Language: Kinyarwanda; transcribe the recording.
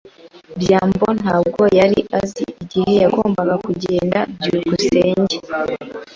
byambo ntabwo yari azi igihe yagombaga kugenda. byukusenge